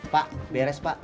pak beres pak